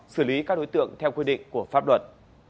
xử lý các đối tượng theo quy định của pháp luật